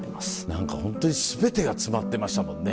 何かホントに全てが詰まってましたもんね。